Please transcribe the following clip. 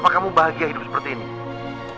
maka kamu bahagia hidup seperti ini